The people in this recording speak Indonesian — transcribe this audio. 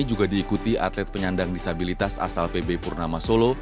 juga diikuti atlet penyandang disabilitas asal pb purnama solo